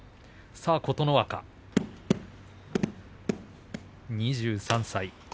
琴ノ若２３歳。